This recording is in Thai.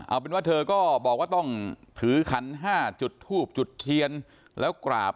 เอาเป็นว่าเธอก็บอกว่าต้องถือขันห้าจุดทูบจุดเทียนแล้วกราบ